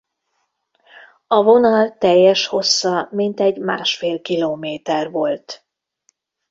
A vonal teljes hossza mintegy másfél kilométer volt.